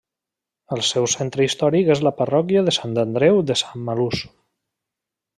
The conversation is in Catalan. El seu centre històric és la parròquia de Sant Andreu de Samalús.